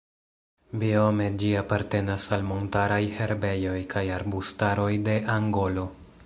Biome ĝi apartenas al montaraj herbejoj kaj arbustaroj de Angolo.